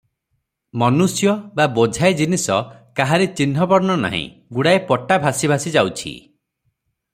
ମନୁଷ୍ୟ ବା ବୋଝାଇ ଜିନିଷ କାହାରି ଚିହ୍ନବର୍ଣ୍ଣ ନାହିଁ, ଗୁଡ଼ାଏ ପଟା ଭାସି ଭାସି ଯାଉଛି |